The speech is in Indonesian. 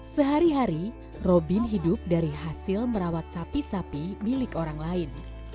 sehari hari robin hidup dari hasil merawat sapi sapi milik orang lain